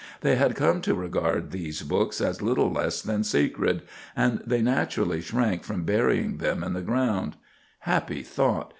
They had come to regard these books as little less than sacred, and they naturally shrank from burying them in the ground. Happy thought!